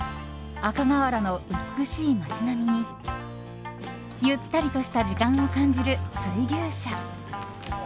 赤瓦の美しい街並みにゆったりとした時間を感じる水牛車。